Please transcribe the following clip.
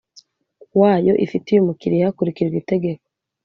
wayo ifitiye umukiriya hakurikijwe Itegeko